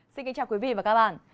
xin kính chào quý vị và các bạn